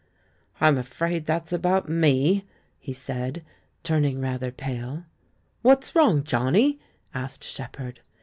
"I'm afraid that's about me,'" he said, turning rather pale. "\^Tiat's wrong, Johnny?'' asked Shepherd.